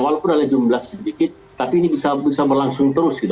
walaupun ada jumlah sedikit tapi ini bisa berlangsung terus gitu